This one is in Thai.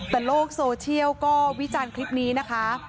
แต่โลกโซเชียลก็วิจารณ์คลิปนี้นะคะ